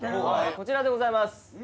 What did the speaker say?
こちらでございます。